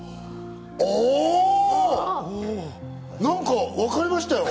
あ！なんかわかりましたよ！